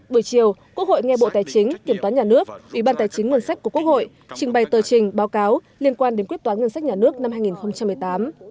bữa sáng ủy ban dân tộc của chính phủ và hội đồng dân tộc của quốc hội sẽ trình bày tờ trình báo cáo liên quan đến quyết toán ngân sách nhà nước năm hai nghìn một mươi tám